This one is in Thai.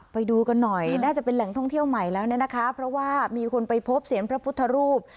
ไปดูกันหน่อยน่าจะเป็นแหล่งท่องเที่ยวใหม่แล้วเนี่ยนะคะเพราะว่ามีคนไปพบเสียงพระพุทธรูป